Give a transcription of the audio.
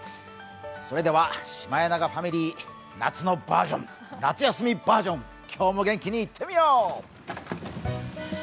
それではシマエナガファミリー夏休みバージョン、今日も元気にいってみよう！